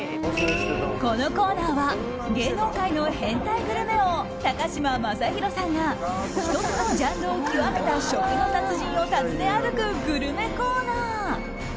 このコーナーは芸能界の変態グルメ王高嶋政宏さんが１つのジャンルを極めた食の達人を訪ね歩くグルメコーナー。